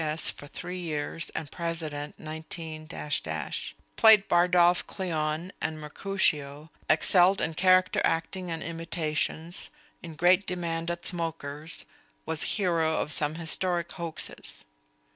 S. for three years and president 19 played Bardolph Cleon and Mercutio excelled in character acting and imitations in great demand at smokers was hero of some historic hoaxes.